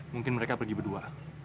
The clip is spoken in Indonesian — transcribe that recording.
mungkin mereka pergi berdua